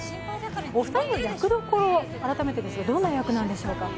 お二人の役どころ、改めてですがどんな役どころでしょうか。